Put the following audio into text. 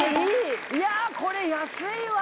いやこれ安いわ。